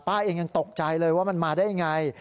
เองยังตกใจเลยว่ามันมาได้ยังไง